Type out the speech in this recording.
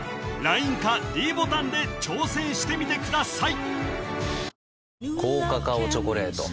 ＬＩＮＥかｄボタンで挑戦してみてください